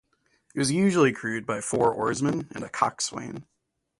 It was usually crewed by four oarsmen, and a coxswain.